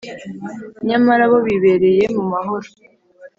nyamara bo bibereye mu mahoro.